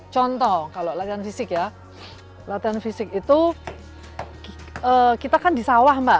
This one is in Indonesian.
contoh kalau latihan fisik ya latihan fisik itu kita kan di sawah mbak